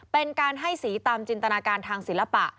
เป็นการให้สีตามจินตนาการทางศิลปะ